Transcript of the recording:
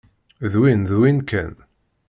D win d win kan.